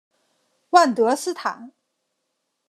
万德斯坦。